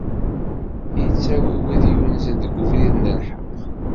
Ittawi wid yunzen deg ubrid n lḥeqq.